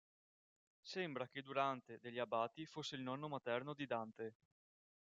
Sembra che Durante degli Abati fosse il nonno materno di Dante.